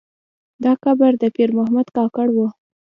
دا قبر د پیر محمد کاکړ و.